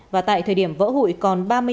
và tại thời điểm vỡ hụi còn ba mươi ba dây hụi